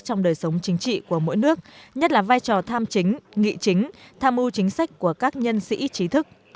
trong đời sống chính trị của mỗi nước nhất là vai trò tham chính nghị chính tham ưu chính sách của các nhân sĩ trí thức